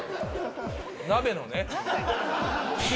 鍋のね。